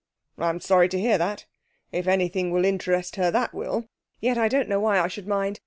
'I'm sorry to hear that. If anything will interest her, that will. Yet I don't know why I should mind.